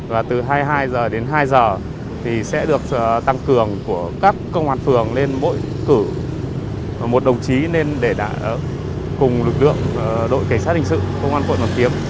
và từ hai mươi hai h đến hai h thì sẽ được tăng cường của các công an phường lên mỗi cử một đồng chí lên để cùng lực lượng đội cảnh sát hình sự công an quận hoàn kiếm